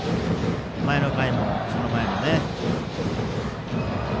前の回も、その前もね。